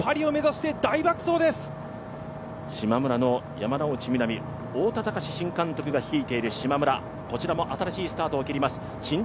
しまむらの山ノ内みなみ、太田崇新監督が率いていますが、こちらも新しいスタートを切ります。